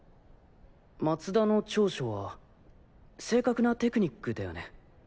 松田の長所は正確なテクニックだよね。